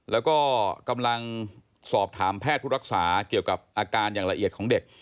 แล้วก็กำลังสอบถามแพทย์ผู้รักษาเกี่ยวกับอาการอย่างละเอียดของเด็ก